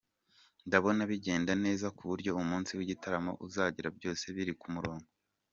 Ndabona bigenda neza ku buryo umunsi w’igitaramo uzagera byose biri ku murongo.